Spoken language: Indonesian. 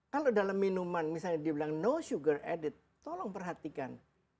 kalau dalam minuman misalnya dibilang no sugar added tolong perhatikan